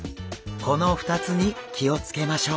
この２つに気をつけましょう。